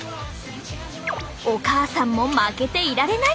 お母さんも負けていられない！